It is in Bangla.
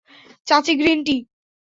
চাচী, গ্রিন টি।